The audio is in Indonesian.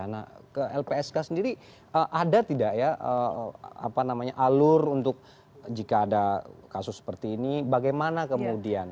nah ke lpsk sendiri ada tidak ya apa namanya alur untuk jika ada kasus seperti ini bagaimana kemudian